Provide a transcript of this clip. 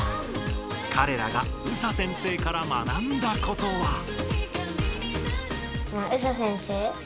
かれらがＳＡ先生から学んだことは。